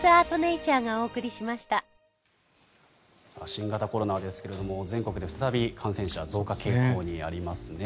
新型コロナですが全国で再び感染者増加傾向にありますね。